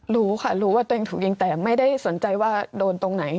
รู้ค่ะรู้ว่าตัวเองถูกยิงแต่ไม่ได้สนใจว่าโดนตรงไหน